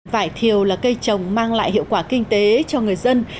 vải thiều là cây trồng mang lại hiệu quả kinh tế cho người dân